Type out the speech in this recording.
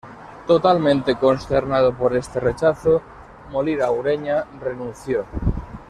Totalmente consternado por este rechazo, Molina Ureña renunció.